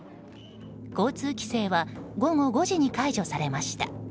交通規制は午後５時に解除されました。